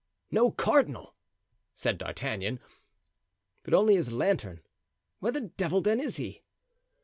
"No cardinal!" said D'Artagnan, "but only his lantern; where the devil, then, is he?"